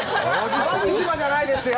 淡路島じゃないですよ。